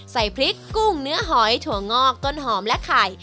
ใส่พริกกุ้งเนื้อหอยถั่วงอกต้นหอมและไข่